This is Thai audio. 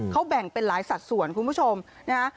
เขาแบ่งเป็นหลายสัดส่วนคุณผู้ชมนะฮะ